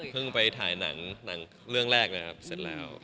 ไปถ่ายหนังเรื่องแรกนะครับเสร็จแล้ว